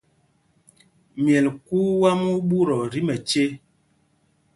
Myɛl kuu wam ɛ́ ɛ́ ɓutɔɔ tí mɛce.